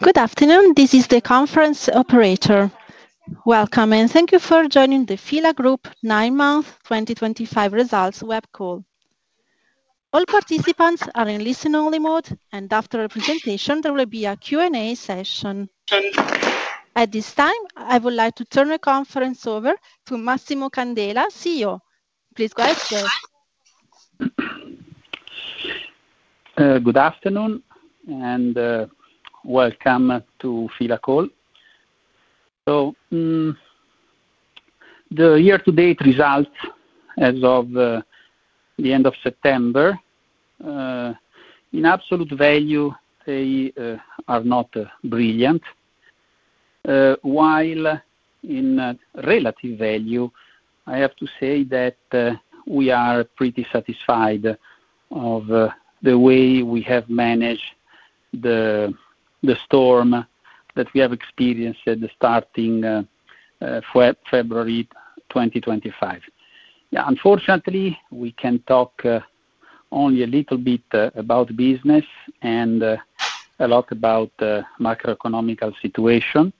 Good afternoon, this is the conference operator. Welcome, and thank you for joining the FILA Group 9 Month 2025 Results Web Call. All participants are in listen-only mode, and after the presentation, there will be a Q&A session. At this time, I would like to turn the conference over to Massimo Candela, CEO. Please go ahead. Good afternoon, and welcome to FILA Call. The year-to-date results as of the end of September, in absolute value, they are not brilliant. While in relative value, I have to say that we are pretty satisfied with the way we have managed the storm that we have experienced starting February 2025. Unfortunately, we can talk only a little bit about business and a lot about the macroeconomical situation.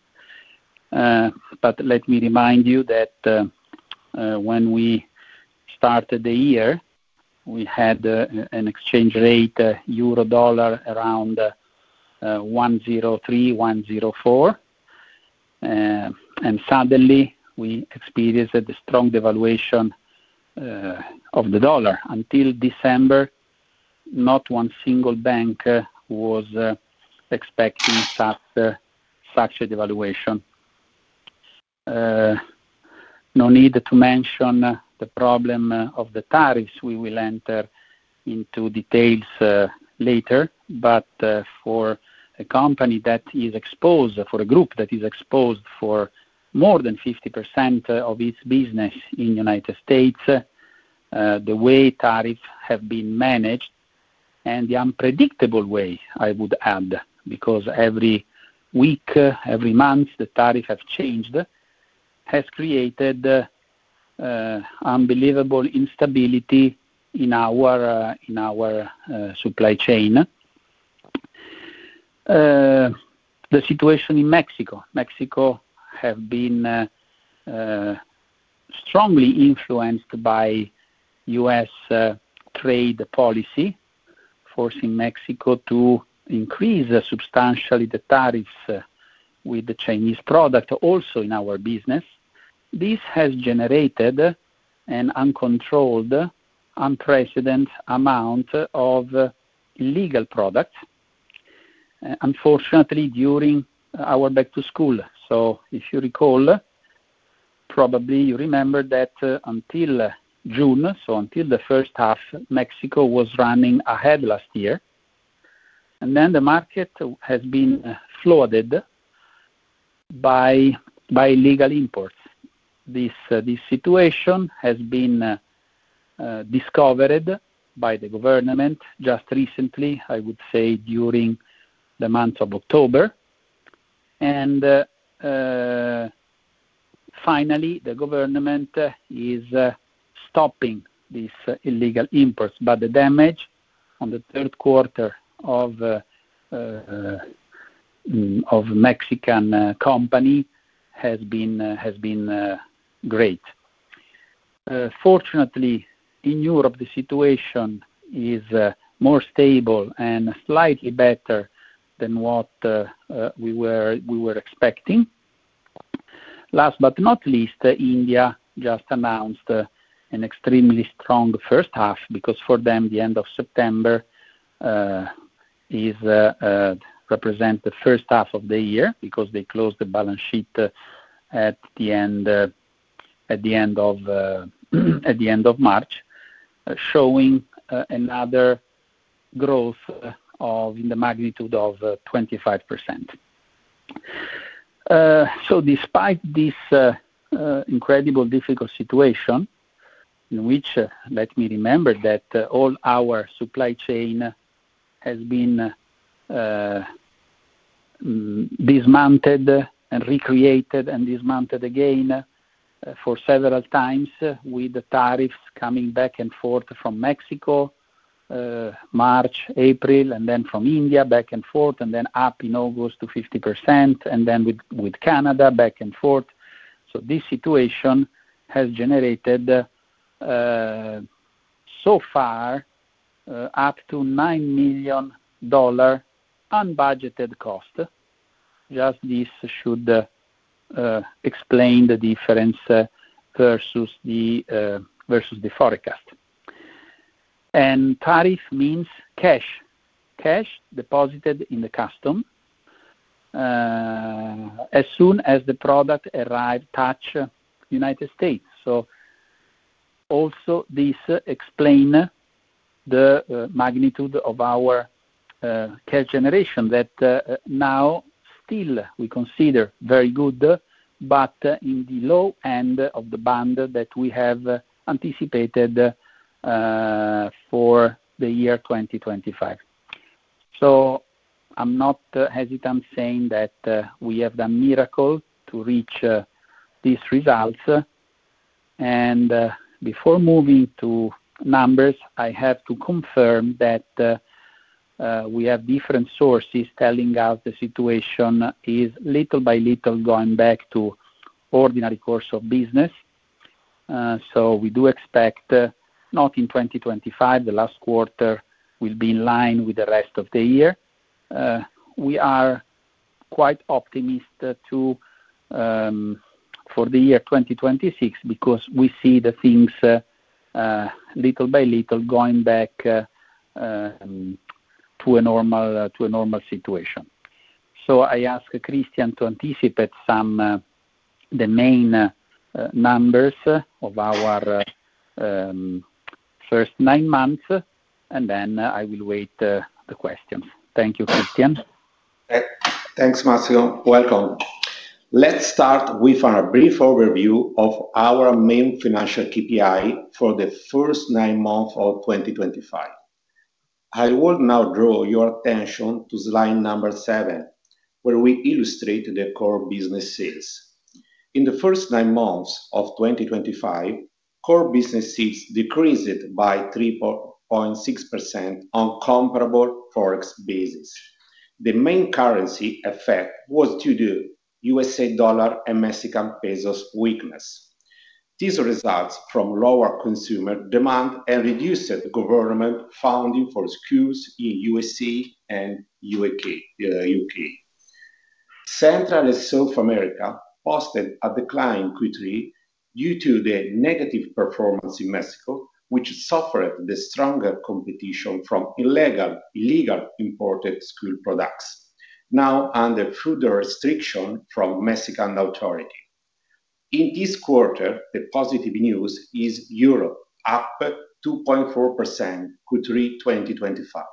Let me remind you that when we started the year, we had an exchange rate euro/dollar around 1.03, 1.04. Suddenly, we experienced a strong devaluation of the dollar. Until December, not one single bank was expecting such a devaluation. No need to mention the problem of the tariffs. We will enter into details later. For a company that is exposed, for a group that is exposed for more than 50% of its business in the United States, the way tariffs have been managed, and the unpredictable way, I would add, because every week, every month, the tariffs have changed, has created unbelievable instability in our supply chain. The situation in Mexico. Mexico has been strongly influenced by U.S. trade policy, forcing Mexico to increase substantially the tariffs with the Chinese product, also in our business. This has generated an uncontrolled, unprecedented amount of illegal products. Unfortunately, during our back-to-school, so if you recall, probably you remember that until June, so until the first half, Mexico was running ahead last year. Then the market has been flooded by illegal imports. This situation has been discovered by the government just recently, I would say, during the month of October. Finally, the government is stopping these illegal imports. The damage on the third quarter of a Mexican company has been great. Fortunately, in Europe, the situation is more stable and slightly better than what we were expecting. Last but not least, India just announced an extremely strong first half, because for them, the end of September represents the first half of the year, because they close the balance sheet at the end of March, showing another growth in the magnitude of 25%. Despite this incredible difficult situation, in which, let me remember that all our supply chain has been dismounted and recreated and dismounted again for several times, with the tariffs coming back and forth from Mexico, March, April, and then from India, back and forth, and then up in August to 50%, and then with Canada, back and forth. This situation has generated so far up to EUR 9 million unbudgeted cost. Just this should explain the difference versus the forecast. Tariff means cash, cash deposited in the customs as soon as the product arrives, touches the United States. Also, this explains the magnitude of our cash generation that now still we consider very good, but in the low end of the band that we have anticipated for the year 2025. I'm not hesitant saying that we have done miracles to reach these results. Before moving to numbers, I have to confirm that we have different sources telling us the situation is little by little going back to ordinary course of business. We do expect not in 2025, the last quarter will be in line with the rest of the year. We are quite optimistic for the year 2026, because we see the things little by little going back to a normal situation. I ask Christian to anticipate some of the main numbers of our first nine months, and then I will wait for the questions. Thank you, Christian. Thanks, Massimo. Welcome. Let's start with a brief overview of our main financial KPI for the first nine months of 2025. I will now draw your attention to slide number seven, where we illustrate the core business sales. In the first nine months of 2025, core business sales decreased by 3.6% on comparable forex basis. The main currency effect was due to U.S. dollar and Mexican peso weakness. These results came from lower consumer demand and reduced government funding for schools in the U.S. and U.K. Central and South America posted a decline quickly due to the negative performance in Mexico, which suffered the stronger competition from illegal imported school products, now under further restriction from Mexican authority. In this quarter, the positive news is Europe up 2.4% quarter 2025,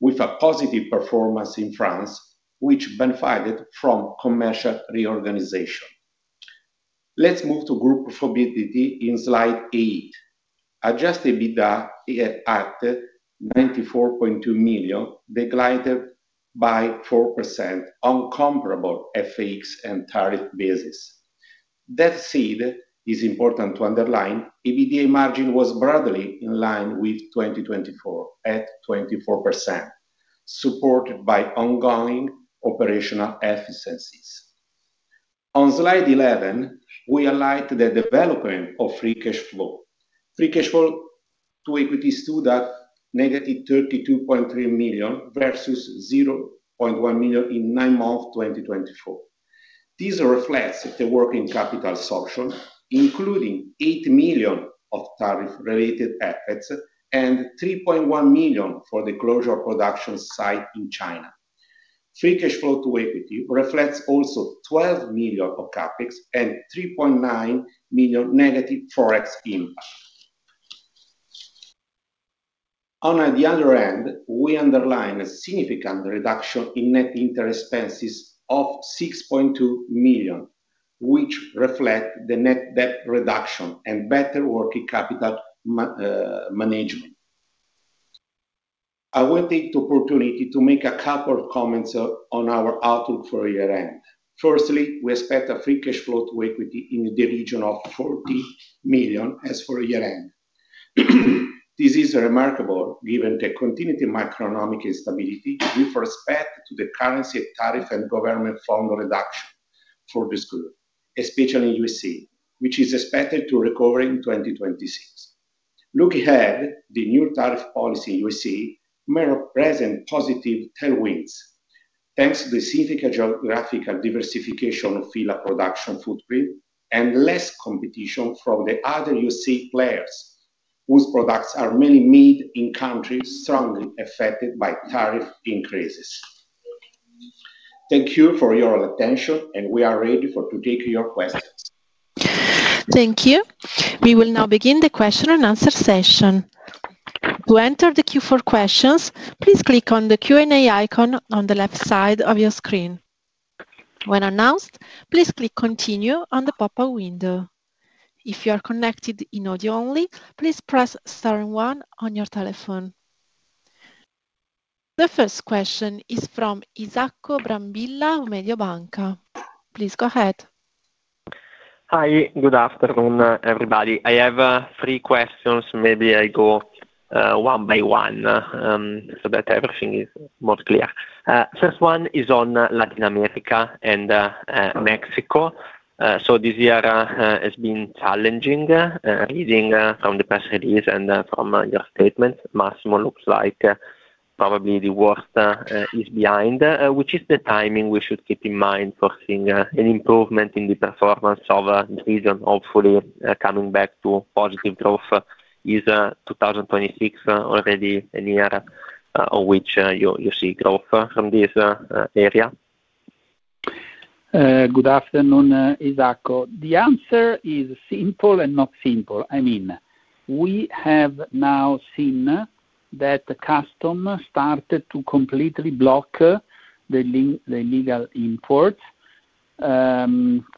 with a positive performance in France, which benefited from commercial reorganization. Let's move to Group EBITDA in slide 8. Adjusted EBITDA at 94.2 million, degraded by 4% on comparable forex and tariff basis. That said, it is important to underline, EBITDA margin was broadly in line with 2024 at 24%, supported by ongoing operational efficiencies. On slide 11, we highlight the development of free cash flow. Free cash flow to equity stood at negative 32.3 million versus 0.1 million in nine months 2024. This reflects the working capital assumption, including 8 million of tariff-related effects and 3.1 million for the closure of production site in China. Free cash flow to equity reflects also 12 million of CapEx and 3.9 million negative forex impact. On the other hand, we underline a significant reduction in net interest expenses of 6.2 million, which reflects the net debt reduction and better working capital management. I will take the opportunity to make a couple of comments on our outlook for year-end. Firstly, we expect a free cash flow to equity in the region of 40 million as for year-end. This is remarkable given the continued macroeconomic instability with respect to the currency, tariff, and government fund reduction for the school, especially in the U.S.A., which is expected to recover in 2026. Looking ahead, the new tariff policy in the U.S.A. may represent positive tailwinds thanks to the significant geographical diversification of FILA production footprint and less competition from the other U.S.A. players whose products are mainly made in countries strongly affected by tariff increases. Thank you for your attention, and we are ready to take your questions. Thank you. We will now begin the question and answer session. To enter the Q4 questions, please click on the Q&A icon on the left side of your screen. When announced, please click Continue on the pop-up window. If you are connected in audio only, please press Star and one on your telephone. The first question is from Isacco Brambilla, Mediobanca. Please go ahead. Hi, good afternoon, everybody. I have three questions. Maybe I go one by one so that everything is more clear. First one is on Latin America and Mexico. This year has been challenging. Reading from the press release and from your statement, Massimo, looks like probably the worst is behind, which is the timing we should keep in mind for seeing an improvement in the performance of the region, hopefully coming back to positive growth. Is 2026 already a year in which you see growth from this area? Good afternoon, Isacco. The answer is simple and not simple. I mean, we have now seen that the customs started to completely block the illegal imports,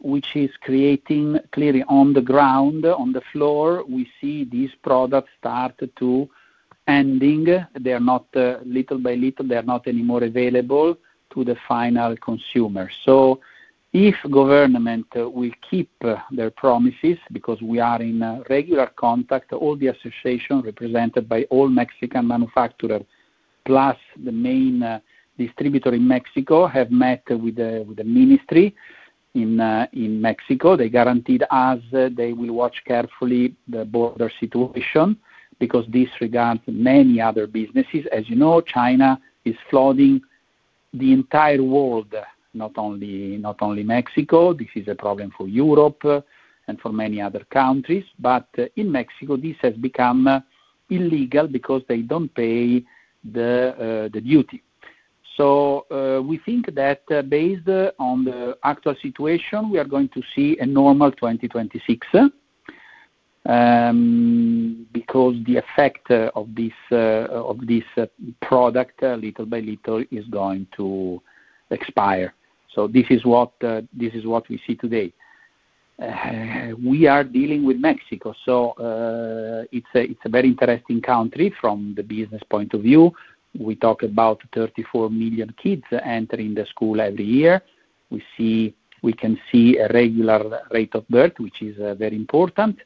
which is creating clearly on the ground, on the floor. We see these products start to end. They are not little by little, they are not anymore available to the final consumer. If government will keep their promises, because we are in regular contact, all the associations represented by all Mexican manufacturers, plus the main distributor in Mexico, have met with the ministry in Mexico. They guaranteed us they will watch carefully the border situation, because this regards many other businesses. As you know, China is flooding the entire world, not only Mexico. This is a problem for Europe and for many other countries. In Mexico, this has become illegal because they do not pay the duty. We think that based on the actual situation, we are going to see a normal 2026, because the effect of this product little by little is going to expire. This is what we see today. We are dealing with Mexico. It is a very interesting country from the business point of view. We talk about 34 million kids entering the school every year. We can see a regular rate of birth, which is very important.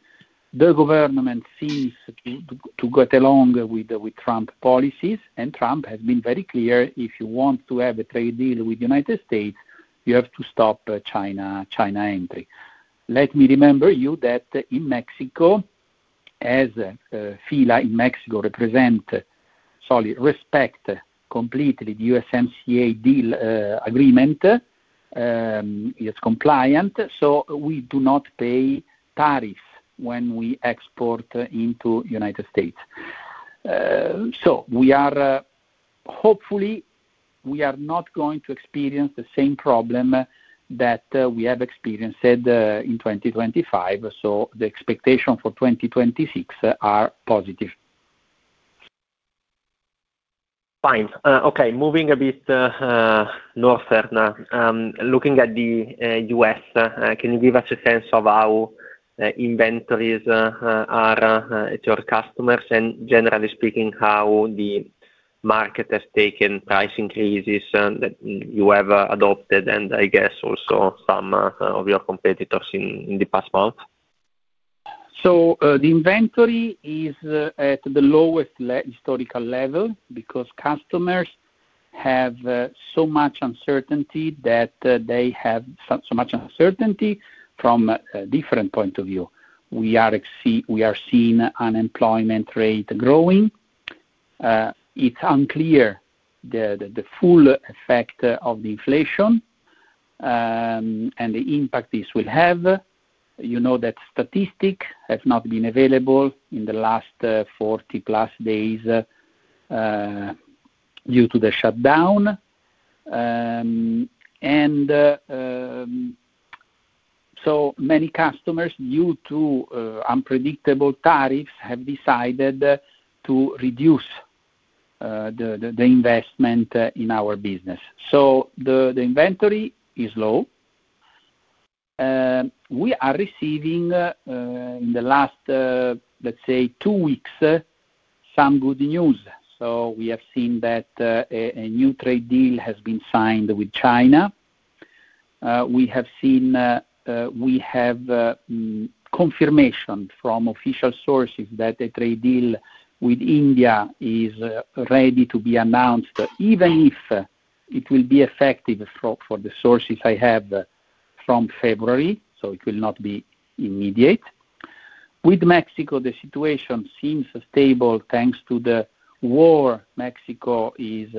The government seems to get along with Trump policies, and Trump has been very clear, if you want to have a trade deal with the United States, you have to stop China entry. Let me remind you that in Mexico, as FILA in Mexico represents, sorry, respects completely the USMCA deal agreement, it is compliant. We do not pay tariffs when we export into the United States. Hopefully, we are not going to experience the same problem that we have experienced in 2025. The expectations for 2026 are positive. Fine. Okay, moving a bit northerner, looking at the U.S., can you give us a sense of how inventories are at your customers and, generally speaking, how the market has taken price increases that you have adopted and, I guess, also some of your competitors in the past month? The inventory is at the lowest historical level, because customers have so much uncertainty that they have so much uncertainty from a different point of view. We are seeing unemployment rate growing. It's unclear the full effect of the inflation and the impact this will have. You know that statistics have not been available in the last 40 plus days due to the shutdown. Many customers, due to unpredictable tariffs, have decided to reduce the investment in our business. The inventory is low. We are receiving in the last, let's say, two weeks, some good news. We have seen that a new trade deal has been signed with China. We have confirmation from official sources that a trade deal with India is ready to be announced, even if it will be effective for the sources I have from February. It will not be immediate. With Mexico, the situation seems stable thanks to the war Mexico is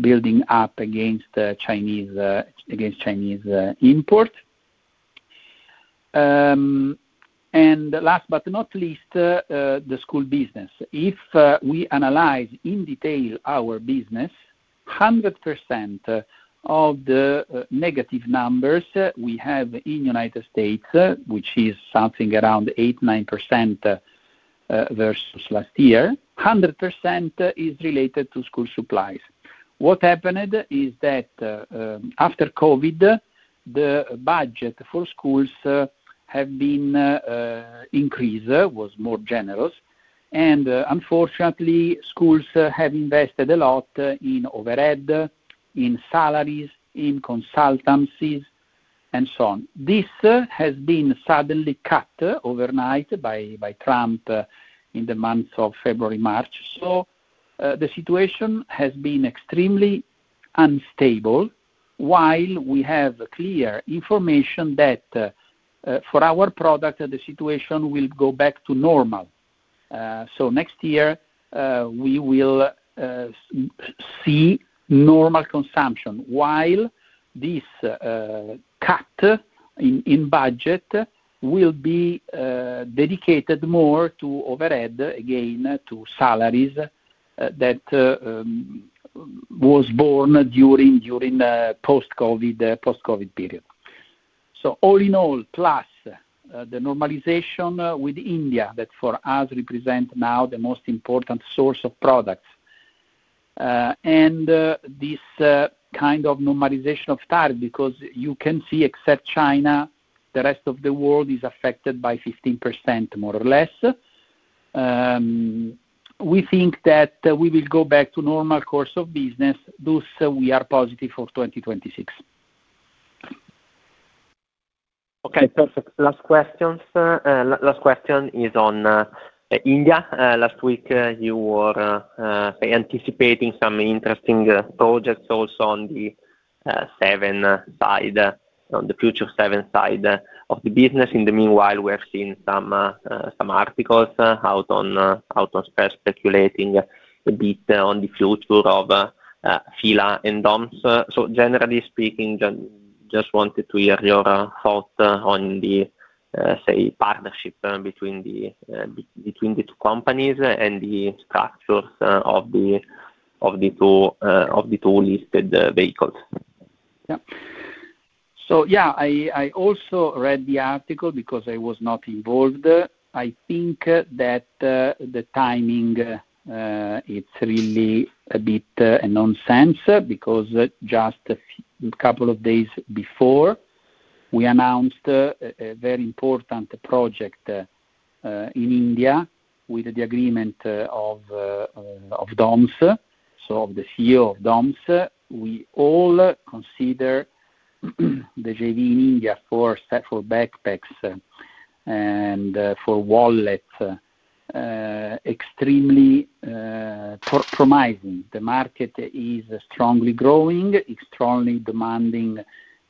building up against Chinese imports. Last but not least, the school business. If we analyze in detail our business, 100% of the negative numbers we have in the United States, which is something around 8-9% versus last year, 100% is related to school supplies. What happened is that after COVID, the budget for schools has been increased, was more generous. Unfortunately, schools have invested a lot in overhead, in salaries, in consultancies, and so on. This has been suddenly cut overnight by Trump in the months of February and March. The situation has been extremely unstable, while we have clear information that for our product, the situation will go back to normal. Next year, we will see normal consumption, while this cut in budget will be dedicated more to overhead, again, to salaries that were born during the post-COVID period. All in all, plus the normalization with India that for us represents now the most important source of products, and this kind of normalization of tariffs, because you can see, except China, the rest of the world is affected by 15%, more or less, we think that we will go back to normal course of business. Thus, we are positive for 2026. Okay, perfect. Last question. Last question is on India. Last week, you were anticipating some interesting projects also on the seven side, on the future seven side of the business. In the meanwhile, we have seen some articles out on speculating a bit on the future of FILA and DOMS. Generally speaking, just wanted to hear your thoughts on the, say, partnership between the two companies and the structures of the two listed vehicles. Yeah. Yeah, I also read the article because I was not involved. I think that the timing, it's really a bit nonsense, because just a couple of days before, we announced a very important project in India with the agreement of DOMS, so of the CEO of DOMS. We all consider the JV in India for backpacks and for wallets extremely promising. The market is strongly growing. It's strongly demanding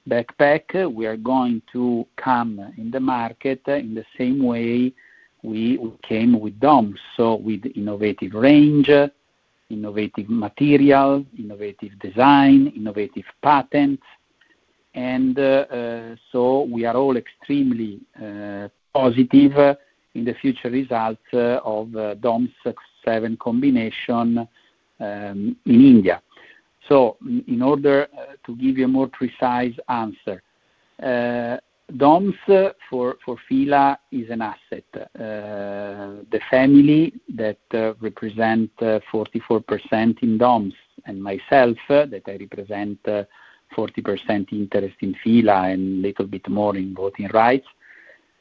backpack. We are going to come in the market in the same way we came with DOMS, so with innovative range, innovative material, innovative design, innovative patents. We are all extremely positive in the future results of DOMS seven combination in India. In order to give you a more precise answer, DOMS for FILA is an asset. The family that represents 44% in DOMS and myself, that I represent 40% interest in FILA and a little bit more in voting rights.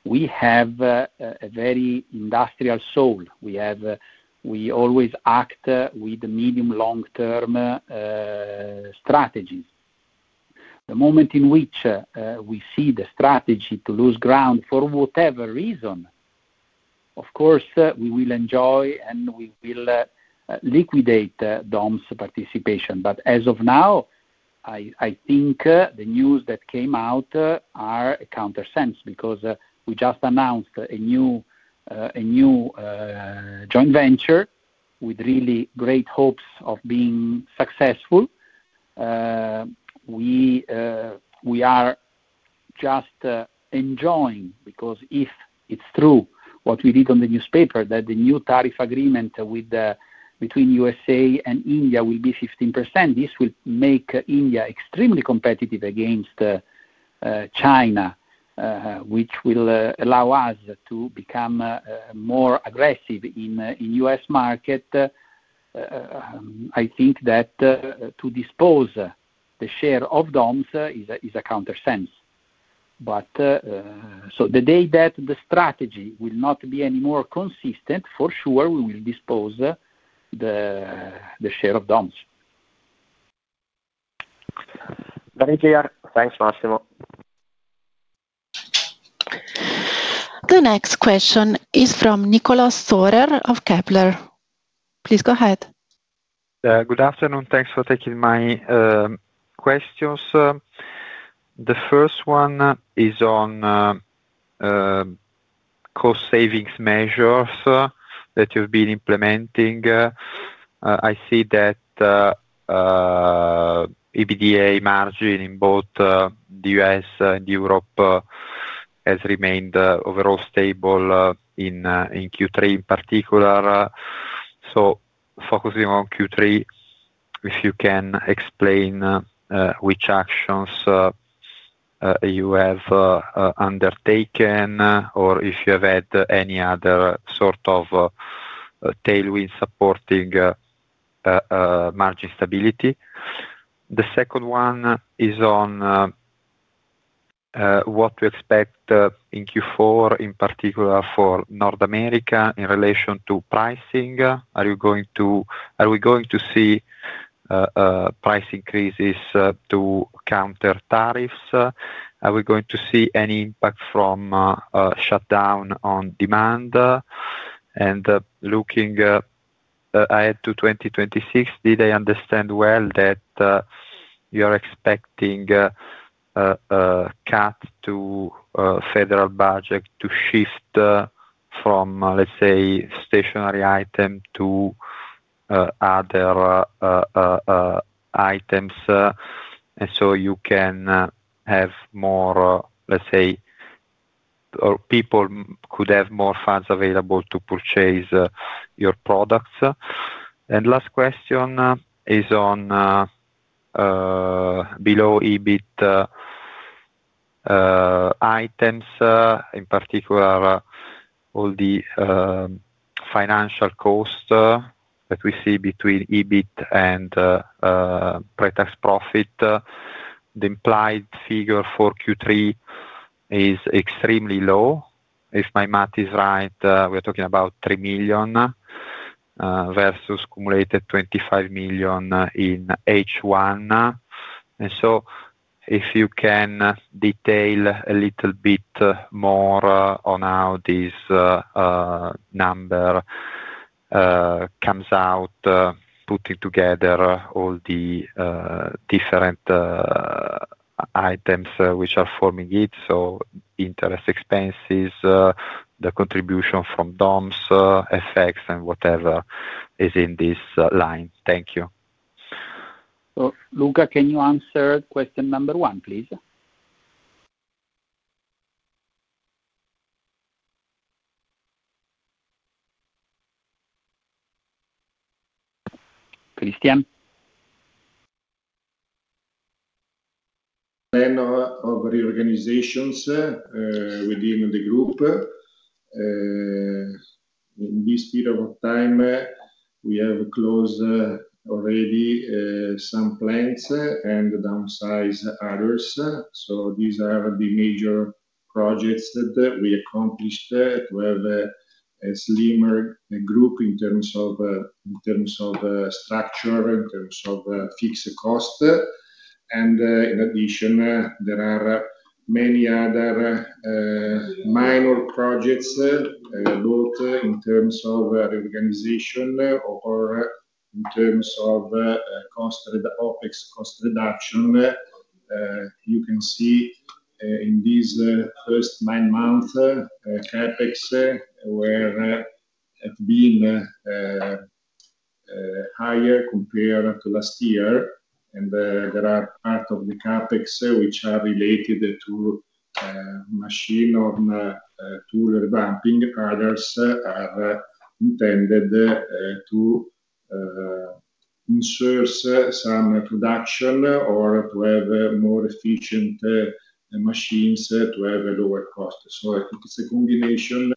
We have a very industrial soul. We always act with medium-long-term strategies. The moment in which we see the strategy to lose ground for whatever reason, of course, we will enjoy and we will liquidate DOMS participation. As of now, I think the news that came out are a counter sense, because we just announced a new joint venture with really great hopes of being successful. We are just enjoying, because if it's true what we read on the newspaper, that the new tariff agreement between the U.S.A. and India will be 15%, this will make India extremely competitive against China, which will allow us to become more aggressive in the U.S. market. I think that to dispose the share of DOMS is a counter sense. The day that the strategy will not be any more consistent, for sure, we will dispose the share of DOMS. Thanks, Massimo. The next question is from Nicolas Sorer of Kepler. Please go ahead. Good afternoon. Thanks for taking my questions. The first one is on cost savings measures that you've been implementing. I see that EBITDA margin in both the U.S. and Europe has remained overall stable in Q3 in particular. Focusing on Q3, if you can explain which actions you have undertaken or if you have had any other sort of tailwinds supporting margin stability. The second one is on what to expect in Q4, in particular for North America in relation to pricing. Are we going to see price increases to counter tariffs? Are we going to see any impact from shutdown on demand? Looking ahead to 2026, did I understand well that you are expecting a cut to federal budget to shift from, let's say, stationery items to other items? You can have more, let's say, or people could have more funds available to purchase your products. Last question is on below EBIT items, in particular, all the financial costs that we see between EBIT and price-to-cost profit. The implied figure for Q3 is extremely low. If my math is right, we are talking about 3 million versus cumulated 25 million in H1. If you can detail a little bit more on how this number comes out, putting together all the different items which are forming it, so interest expenses, the contribution from DOMS, effects, and whatever is in this line. Thank you. Luca, can you answer question number one, please? Christian? Plan of reorganizations within the group. In this period of time, we have closed already some plans and downsized others. These are the major projects that we accomplished to have a slimmer group in terms of structure, in terms of fixed cost. In addition, there are many other minor projects both in terms of reorganization or in terms of OPEX cost reduction. You can see in this first nine months, CapEx were being higher compared to last year. There are parts of the CapEx which are related to machine or tool dumping. Others are intended to insert some production or to have more efficient machines to have a lower cost. It is a combination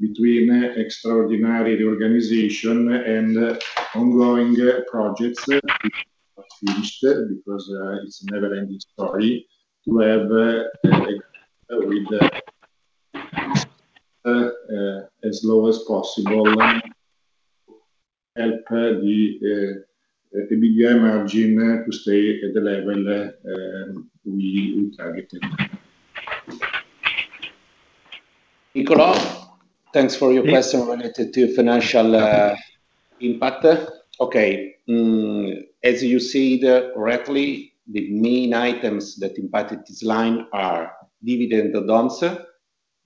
between extraordinary reorganization and ongoing projects to finish, because it is a never-ending story to have as low as possible help the EBITDA margin to stay at the level we targeted. Nicolas, thanks for your question related to financial impact. Okay. As you see it correctly, the main items that impacted this line are dividend of DOMS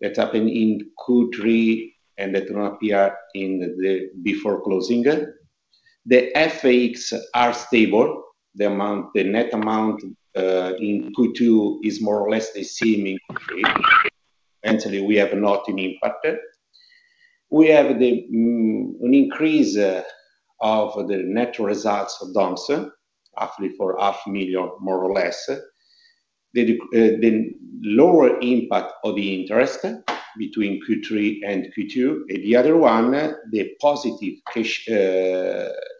that happened in Q3 and that do not appear in the before closing. The FAEs are stable. The net amount in Q2 is more or less the same in Q3. Actually, we have not an impact. We have an increase of the net results of DOMS, roughly for 500,000, more or less. The lower impact of the interest between Q3 and Q2. The other one, the positive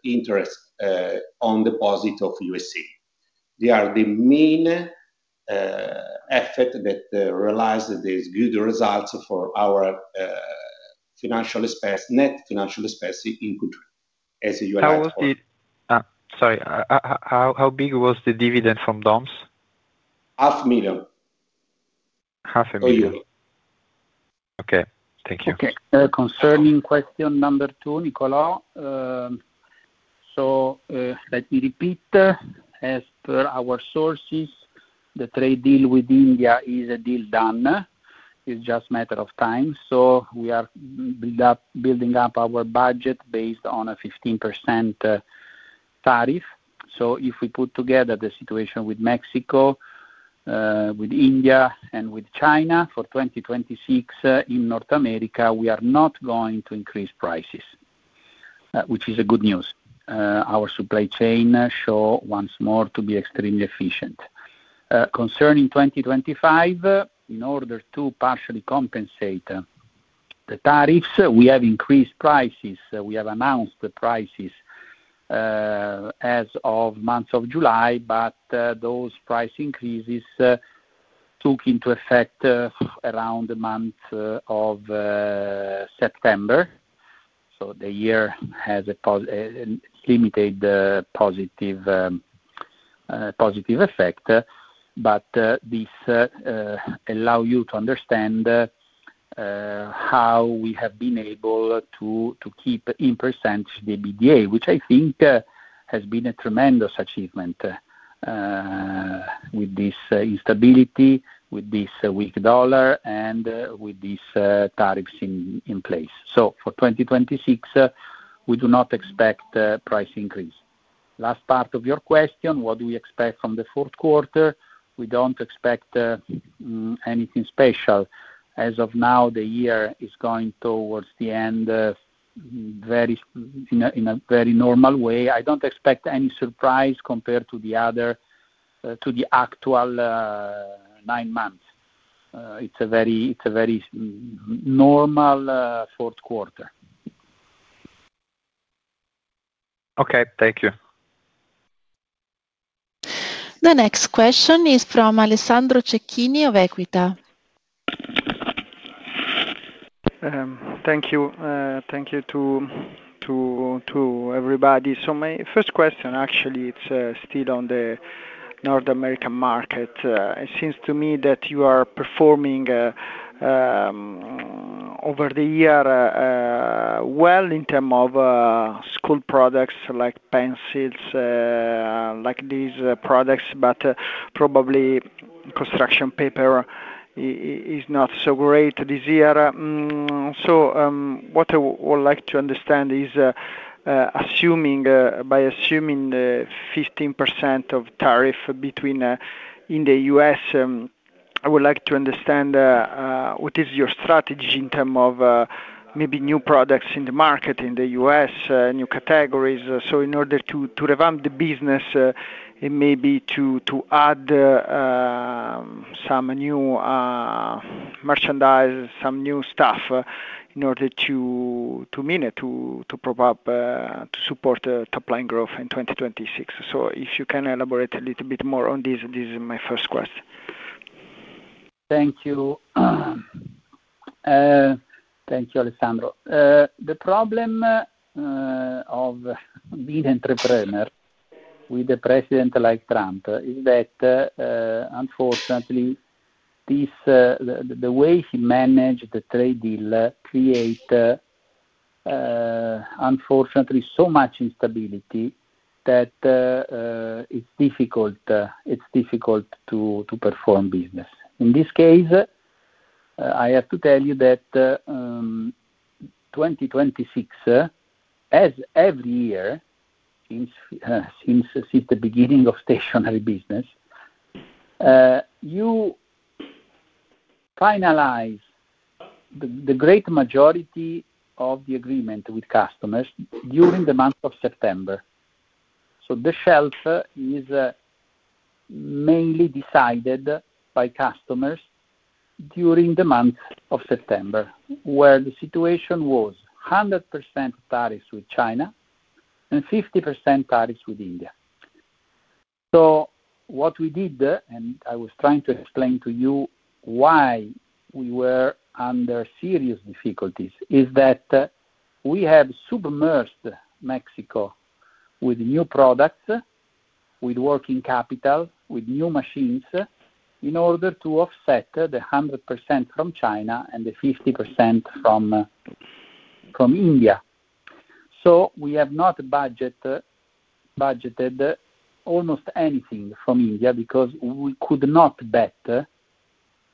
interest on deposit of USC. They are the main effect that realized these good results for our net financial expense in Q3. As you are not. How was it? Sorry. How big was the dividend from DOMS? EUR 500,000. 500,000. For you. Okay. Thank you. Okay. Concerning question number two, Nicolas. Let me repeat. As per our sources, the trade deal with India is a deal done. It is just a matter of time. We are building up our budget based on a 15% tariff. If we put together the situation with Mexico, with India, and with China for 2026 in North America, we are not going to increase prices, which is good news. Our supply chain shows once more to be extremely efficient. Concerning 2025, in order to partially compensate the tariffs, we have increased prices. We have announced the prices as of month of July, but those price increases took into effect around the month of September. The year has a limited positive effect. This allows you to understand how we have been able to keep in percentage the EBITDA, which I think has been a tremendous achievement with this instability, with this weak dollar, and with these tariffs in place. For 2026, we do not expect price increase. Last part of your question, what do we expect from the fourth quarter? We do not expect anything special. As of now, the year is going towards the end in a very normal way. I do not expect any surprise compared to the actual nine months. It is a very normal fourth quarter. Okay. Thank you. The next question is from Alessandro Cecchini of Equita. Thank you. Thank you to everybody. My first question, actually, it's still on the North American market. It seems to me that you are performing over the year well in terms of school products like pencils, like these products, but probably construction paper is not so great this year. What I would like to understand is, by assuming 15% of tariff in the U.S., I would like to understand what is your strategy in terms of maybe new products in the market in the U.S., new categories. In order to revamp the business and maybe to add some new merchandise, some new stuff in order to, I mean, to prop up, to support top-line growth in 2026. If you can elaborate a little bit more on this, this is my first question. Thank you. Thank you, Alessandro. The problem of being an entrepreneur with a president like Trump is that, unfortunately, the way he managed the trade deal created, unfortunately, so much instability that it's difficult to perform business. In this case, I have to tell you that 2026, as every year since the beginning of stationery business, you finalize the great majority of the agreement with customers during the month of September. The shelf is mainly decided by customers during the month of September, where the situation was 100% tariffs with China and 50% tariffs with India. What we did, and I was trying to explain to you why we were under serious difficulties, is that we have submerged Mexico with new products, with working capital, with new machines in order to offset the 100% from China and the 50% from India. We have not budgeted almost anything from India because we could not bet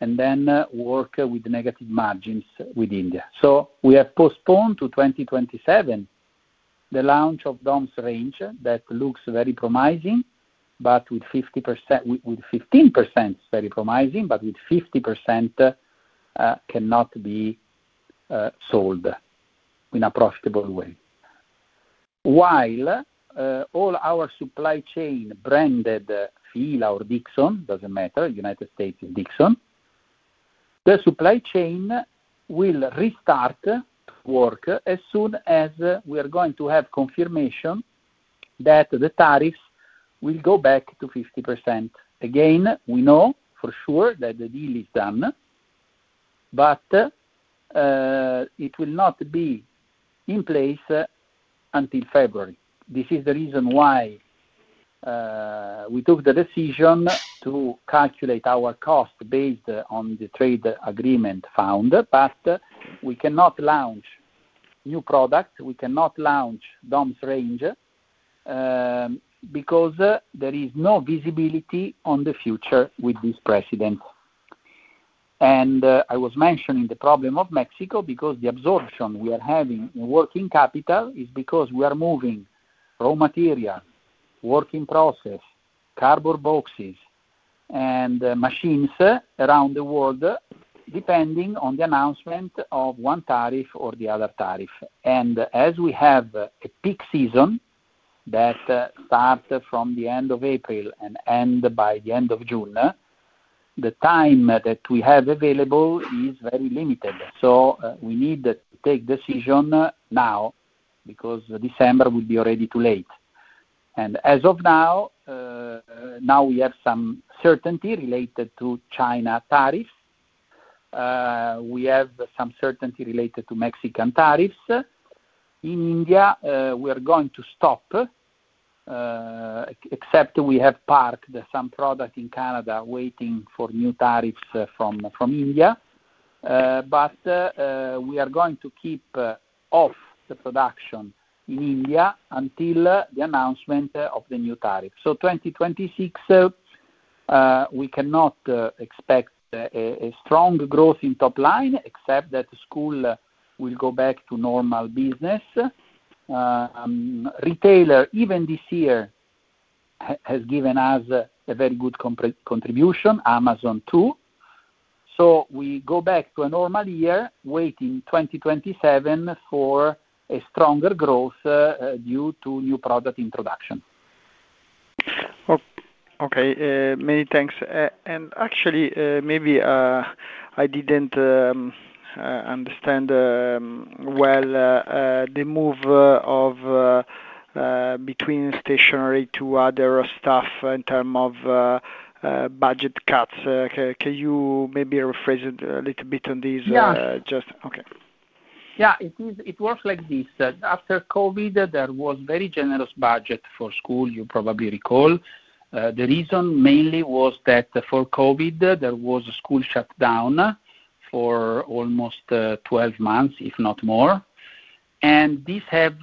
and then work with negative margins with India. We have postponed to 2027 the launch of DOMS range that looks very promising, but with 15% very promising, but with 50% cannot be sold in a profitable way. While all our supply chain branded FILA or Dixon, does not matter, United States is Dixon, the supply chain will restart work as soon as we are going to have confirmation that the tariffs will go back to 50%. Again, we know for sure that the deal is done, but it will not be in place until February. This is the reason why we took the decision to calculate our cost based on the trade agreement found, but we cannot launch new products. We cannot launch DOMS range because there is no visibility on the future with this president. I was mentioning the problem of Mexico because the absorption we are having in working capital is because we are moving raw material, working process, carbon boxes, and machines around the world depending on the announcement of one tariff or the other tariff. As we have a peak season that starts from the end of April and ends by the end of June, the time that we have available is very limited. We need to take a decision now because December will be already too late. As of now, we have some certainty related to China tariffs. We have some certainty related to Mexican tariffs. In India, we are going to stop, except we have parked some product in Canada waiting for new tariffs from India. We are going to keep off the production in India until the announcement of the new tariff. 2026, we cannot expect a strong growth in top line, except that school will go back to normal business. Retailer, even this year, has given us a very good contribution, Amazon too. We go back to a normal year, waiting 2027 for a stronger growth due to new product introduction. Okay. Many thanks. Actually, maybe I didn't understand well the move between stationery to other stuff in terms of budget cuts. Can you maybe rephrase it a little bit on this? Yeah. Okay. Yeah. It works like this. After COVID, there was a very generous budget for school, you probably recall. The reason mainly was that for COVID, there was a school shutdown for almost 12 months, if not more. This has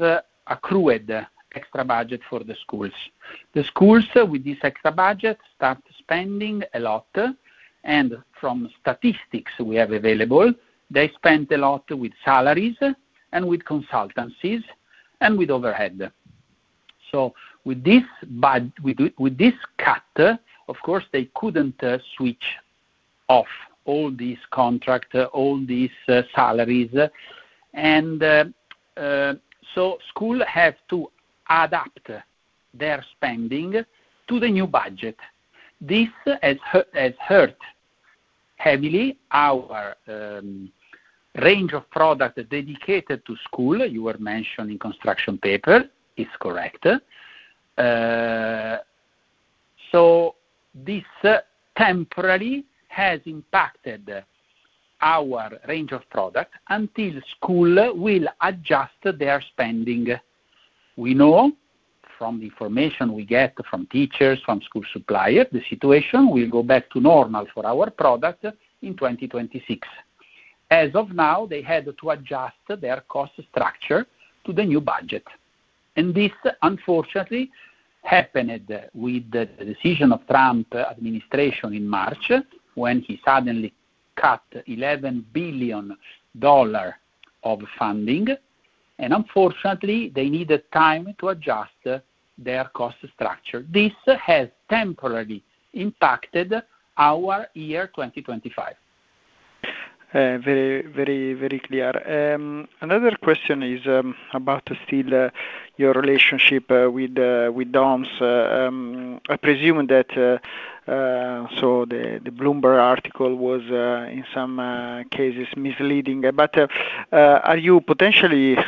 accrued extra budget for the schools. The schools, with this extra budget, start spending a lot. From statistics we have available, they spent a lot with salaries and with consultancies and with overhead. With this cut, of course, they could not switch off all these contracts, all these salaries. Schools have to adapt their spending to the new budget. This has hurt heavily our range of products dedicated to school. You were mentioning construction paper. It is correct. This temporarily has impacted our range of product until schools will adjust their spending. We know from the information we get from teachers, from school suppliers, the situation will go back to normal for our product in 2026. As of now, they had to adjust their cost structure to the new budget. This, unfortunately, happened with the decision of the Trump administration in March when he suddenly cut $11 billion of funding. Unfortunately, they needed time to adjust their cost structure. This has temporarily impacted our year 2025. Very, very clear. Another question is about still your relationship with DOMS. I presume that the Bloomberg article was, in some cases, misleading. Are you potentially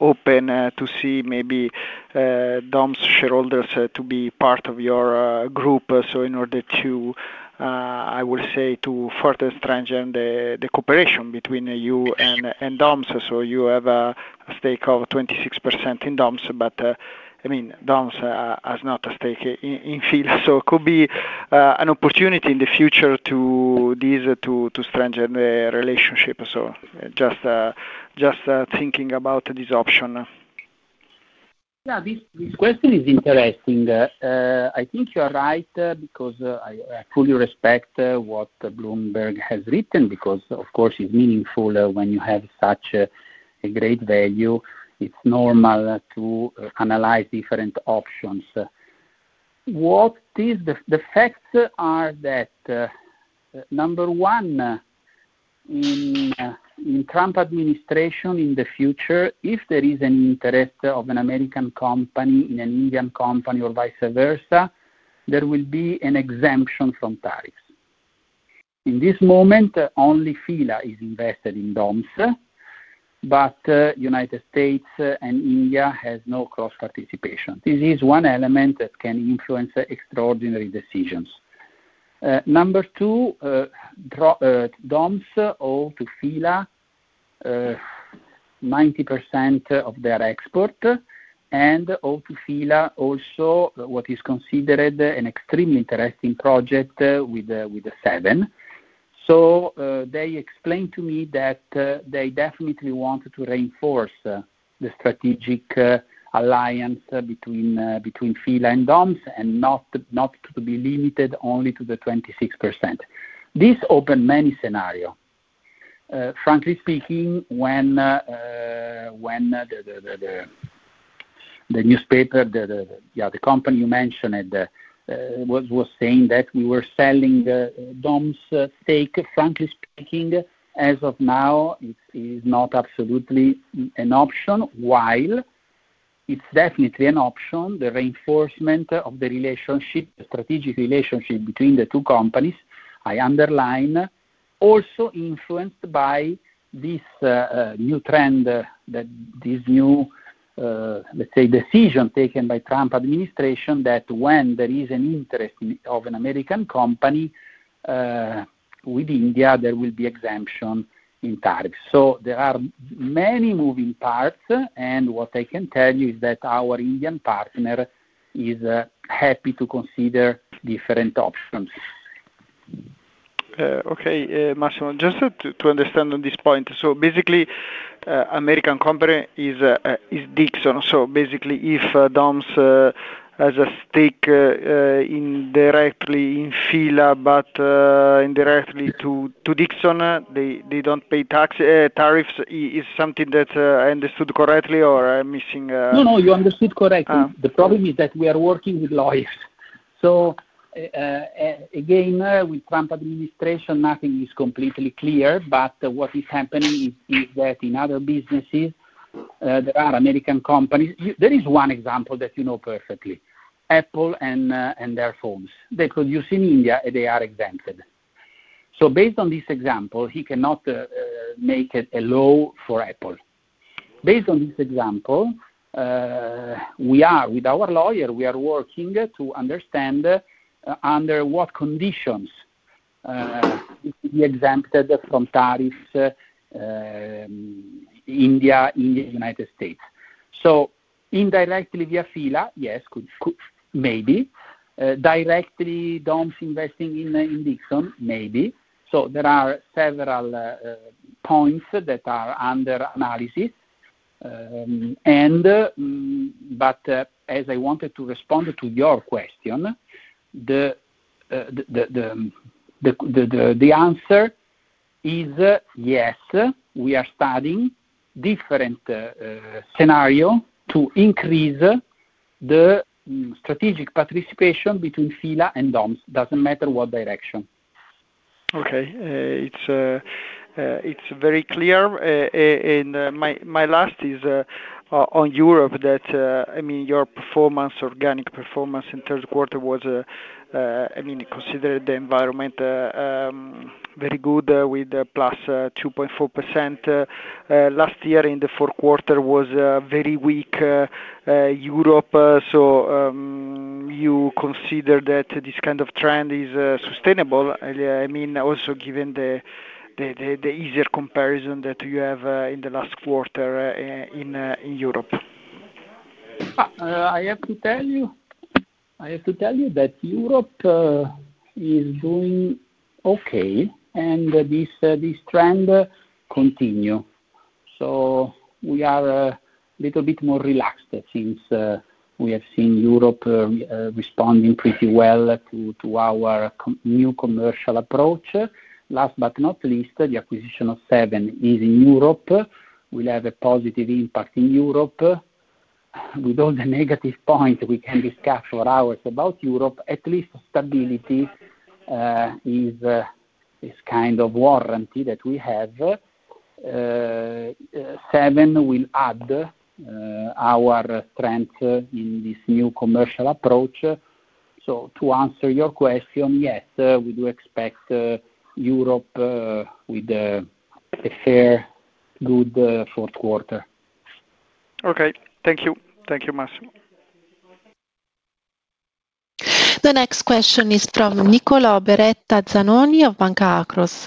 open to see maybe DOMS shareholders to be part of your group? In order to, I will say, to further strengthen the cooperation between you and DOMS. You have a stake of 26% in DOMS, but I mean, DOMS has not a stake in FILA. It could be an opportunity in the future to strengthen the relationship. Just thinking about this option. Yeah. This question is interesting. I think you are right because I fully respect what Bloomberg has written because, of course, it's meaningful when you have such a great value. It's normal to analyze different options. The facts are that, number one, in the Trump administration, in the future, if there is an interest of an American company in an Indian company or vice versa, there will be an exemption from tariffs. In this moment, only FILA is invested in DOMS, but the United States and India have no cross-participation. This is one element that can influence extraordinary decisions. Number two, DOMS owes to FILA 90% of their export and owes to FILA also what is considered an extremely interesting project with the seven. They explained to me that they definitely want to reinforce the strategic alliance between FILA and DOMS and not to be limited only to the 26%. This opened many scenarios. Frankly speaking, when the newspaper, the company you mentioned, was saying that we were selling DOMS stake, frankly speaking, as of now, it is not absolutely an option, while it is definitely an option, the reinforcement of the relationship, the strategic relationship between the two companies, I underline, also influenced by this new trend, this new, let's say, decision taken by the Trump administration that when there is an interest of an American company with India, there will be exemption in tariffs. There are many moving parts, and what I can tell you is that our Indian partner is happy to consider different options. Okay. Just to understand on this point, so basically, American company is Dixon. So basically, if DOMS has a stake indirectly in FILA, but indirectly to Dixon, they don't pay tariffs. Is something that I understood correctly, or am I missing? No, no. You understood correctly. The problem is that we are working with lawyers. Again, with the Trump administration, nothing is completely clear, but what is happening is that in other businesses, there are American companies. There is one example that you know perfectly: Apple and their phones. They produce in India, and they are exempted. Based on this example, he cannot make a law for Apple. Based on this example, with our lawyer, we are working to understand under what conditions he is exempted from tariffs in the United States. Indirectly via FILA, yes, maybe. Directly DOMS investing in Dixon, maybe. There are several points that are under analysis. As I wanted to respond to your question, the answer is yes. We are studying different scenarios to increase the strategic participation between FILA and DOMS. It does not matter what direction. Okay. It's very clear. And my last is on Europe that, I mean, your performance, organic performance in the third quarter was, I mean, considered the environment very good with plus 2.4%. Last year in the fourth quarter was very weak Europe. So you consider that this kind of trend is sustainable, I mean, also given the easier comparison that you have in the last quarter in Europe? I have to tell you that Europe is doing okay, and this trend continues. We are a little bit more relaxed since we have seen Europe responding pretty well to our new commercial approach. Last but not least, the acquisition of Seven is in Europe. It will have a positive impact in Europe. With all the negative points, we can discuss for hours about Europe. At least stability is kind of a warranty that we have. Seven will add our strength in this new commercial approach. To answer your question, yes, we do expect Europe with a fair, good fourth quarter. Okay. Thank you. Thank you, Mass. The next question is from Niccolò Beretta Zanoni of Banca Akros.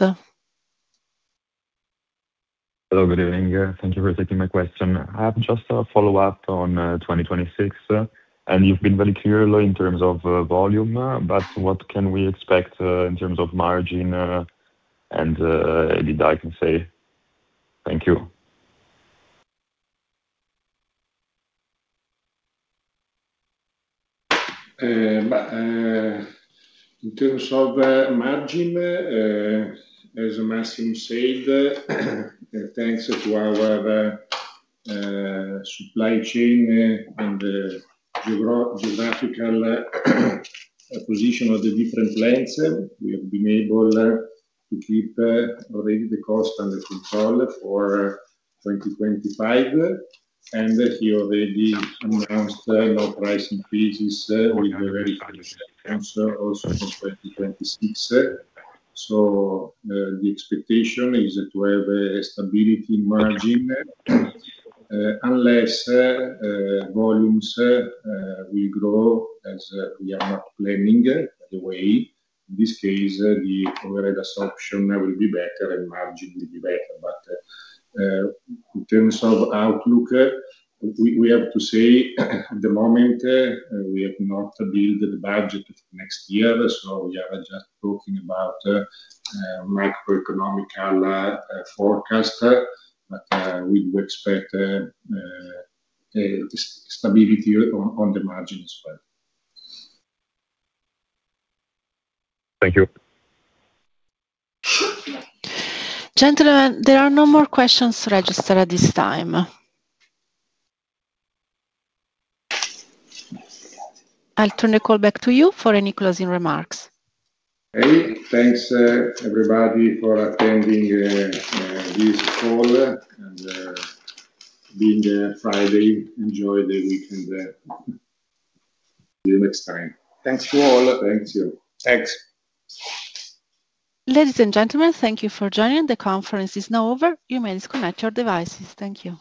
Hello. Good evening. Thank you for taking my question. I have just a follow-up on 2026, and you've been very clear in terms of volume, but what can we expect in terms of margin and did I can say? Thank you. In terms of margin, as Massimo said, thanks to our supply chain and the geographical position of the different plants, we have been able to keep already the cost under control for 2025. He already announced low price increases with the very financial results also for 2026. The expectation is to have a stability in margin unless volumes will grow as we are not planning the way. In this case, the overhead assumption will be better and margin will be better. In terms of outlook, we have to say at the moment we have not built the budget for next year. We are just talking about macroeconomical forecasts, but we do expect stability on the margin as well. Thank you. Gentlemen, there are no more questions registered at this time. I'll turn the call back to you for any closing remarks. Hey. Thanks, everybody, for attending this call. Being a Friday, enjoy the weekend. See you next time. Thanks to all. Thank you. Thanks. Ladies and gentlemen, thank you for joining. The conference is now over. You may disconnect your devices. Thank you.